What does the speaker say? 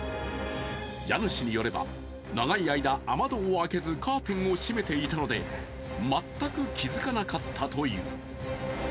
家主によれば、長い間雨戸を開けずカーテンを閉めていたので全く気づかなかったという。